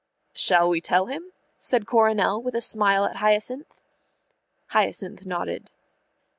"Shall we tell him?" said Coronel, with a smile at Hyacinth. Hyacinth nodded.